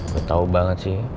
gue tau banget sih